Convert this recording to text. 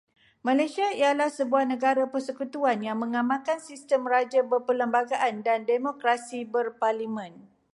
Malaysia ialah sebuah negara persekutuan yang mengamalkan sistem Raja Berperlembagaan dan Demokrasi Berparlimen.